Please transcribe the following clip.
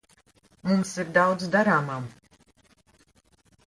Mums ir daudz darāmā.